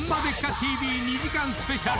ＴＶ」２時間スペシャル。